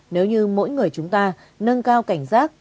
nếu như mỗi người chúng ta nâng cao cảnh giác